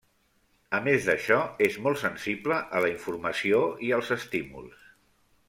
A més d'això, és molt sensible a la informació i als estímuls.